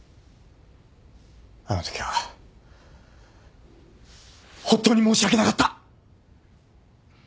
あのときは本当に申し訳なかった。